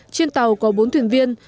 trên tàu có bốn thuyền viên